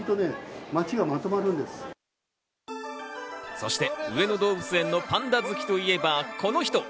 そして上野動物園のパンダ好きと言えばこの人。